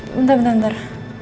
bentar bentar bentar